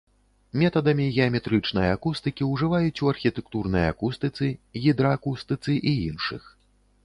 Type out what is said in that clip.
Метадамі геаметрычнай акустыкі ўжываюць у архітэктурнай акустыцы, гідраакустыцы і іншых.